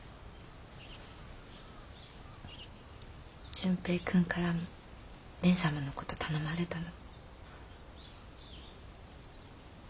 純平君からも蓮様の事頼まれたの。